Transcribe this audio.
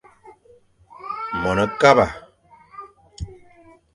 Mone kaba.